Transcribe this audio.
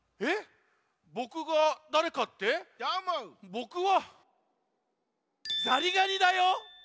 ボクはザリガニだよ。